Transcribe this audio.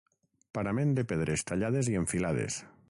Parament de pedres tallades i enfilades.